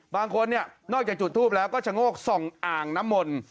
บางคนเนี่ยนอกจากจุดทูปแล้วก็ชะโงกส่องอ่างน้ำมนต์